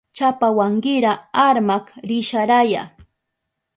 Chapawankira armak risharaya.